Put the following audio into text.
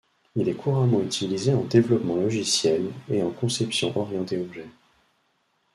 Il est couramment utilisé en développement logiciel et en conception orientée objet.